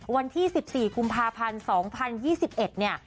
วันที่๑๔กุมภาพันธ์๒๐๒๑เนี่ย